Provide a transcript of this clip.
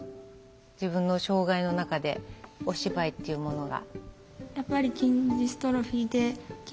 自分の障害の中でお芝居っていうものが。